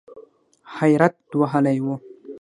حیرت وهلی و .